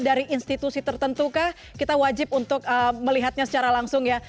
dari institusi tertentu kah kita wajib untuk melihatnya secara langsung ya